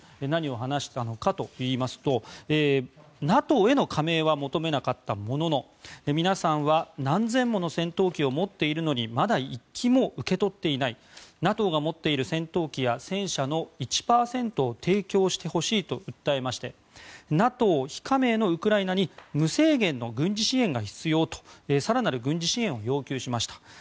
何を話したのかといいますとＮＡＴＯへの加盟は求めなかったものの皆さんは何千もの戦闘機を持っているのにまだ１機も受け取っていないＮＡＴＯが持っている戦闘機や戦車の１％を提供してほしいと訴えましてＮＡＴＯ非加盟のウクライナに無制限の軍事支援が必要と更なる軍事支援を要求しました。